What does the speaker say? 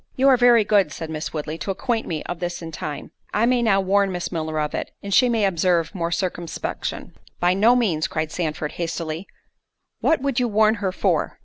"You are very good," said Miss Woodley, "to acquaint me of this in time—I may now warn Miss Milner of it, and she may observe more circumspection." "By no means," cried Sandford, hastily—"What would you warn her for?